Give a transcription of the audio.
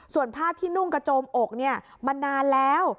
ส่วนผ้าที่นุ่งกระโจมอกเนี่ยมานานแล้ว